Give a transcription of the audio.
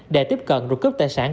để tiếp cận rồi cướp tài sản